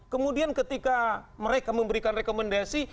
kemudian ketika mereka memberikan rekomendasi